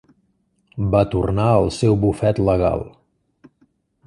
Va tornar al seu bufet legal.